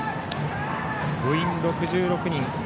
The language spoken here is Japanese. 部員６６人